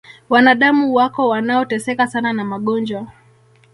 wanadamu wapo wanaoteseka sana na magonjwa